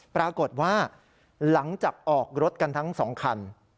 ปรากฏว่าหลังจากออกรถกันทั้ง๒คัน